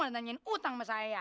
nanyain utang sama saya